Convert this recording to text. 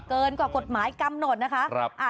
เกินกว่ากฎหมายกำหนดนะคะ